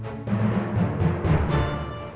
tante udah jauh lebih baik